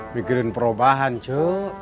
pikirin perubahan cu